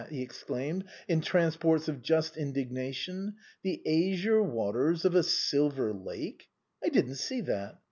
he exclaimed, in transports of just in dignation ;" the azure waters of a silver lake ! I didn't see that.